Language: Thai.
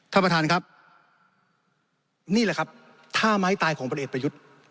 ท่านประธานครับนี่แหละครับท่าไม้ตายของพลเอกประยุทธ์